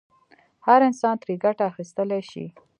هر انسان ترې ګټه اخیستلای شي.